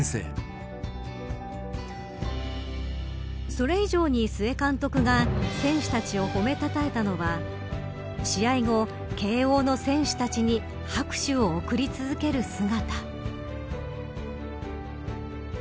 それ以上に須江監督が選手たちを褒めたたえたのは試合後、慶応の選手たちに拍手を送り続ける姿。